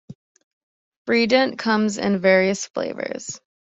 Freedent comes in various flavors.